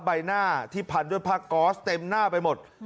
ใบหน้าที่พันด้วยผ้าก๊อสเต็มหน้าไปหมด